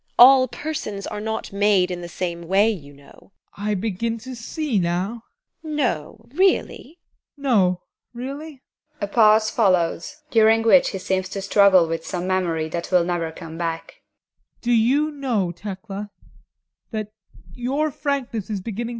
All persons are not made in the same way, you know. ADOLPH. I begin to see now! TEKLA. No, really! ADOLPH. No, really? [A pause follows, during which he seems to struggle with some memory that will not come back] Do you know, Tekla, that your frankness is beginning to be painful?